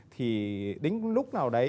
thì đến lúc nào đấy